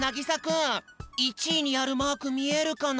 １いにあるマークみえるかな？